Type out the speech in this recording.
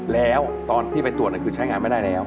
แล้วตอนที่ไปตรวจคือใช้งานไม่ได้แล้ว